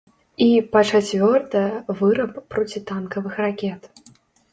І, па-чацвёртае, выраб процітанкавых ракет.